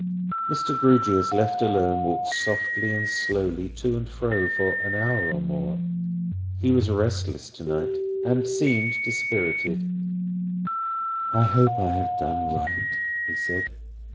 Mr. Grewgious, left alone, walked softly and slowly to and fro, for an hour and more. He was restless to night, and seemed dispirited. "I hope I have done right," he said.